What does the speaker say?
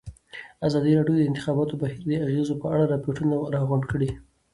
ازادي راډیو د د انتخاباتو بهیر د اغېزو په اړه ریپوټونه راغونډ کړي.